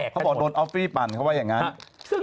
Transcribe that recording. เขาบอกโดนออฟฟี่ปั่นเขาว่าอย่างนั้น